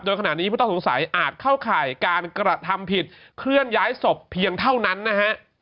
โดยขณะนี้ผู้ต้องสงสัยอาจเข้าข่ายการกระทำผิดเคลื่อนย้ายศพเพียงเท่านั้นนะฮะ